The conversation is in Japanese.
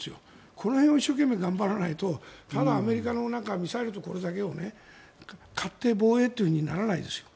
この辺を頑張らないとただ、アメリカのミサイルとかだけを買って防衛とならないですよ。